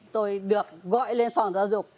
tôi được gọi lên phòng giáo dục